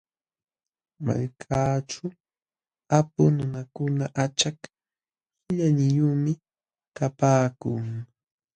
Malkaaćhu apu nunakuna achak qillaniyuqmi kapaakun.